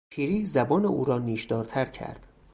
پیری زبان او را نیشدارتر کرد.